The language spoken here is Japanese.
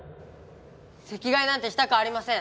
席替えなんてしたくありません！